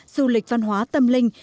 du lịch văn hóa tâm linh